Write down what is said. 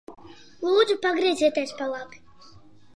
Lūdzu pagriezieties pa labi.